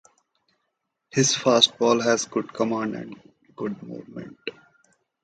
His fastball has good command, and good movement.